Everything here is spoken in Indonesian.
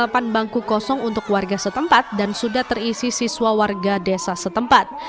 delapan bangku kosong untuk warga setempat dan sudah terisi siswa warga desa setempat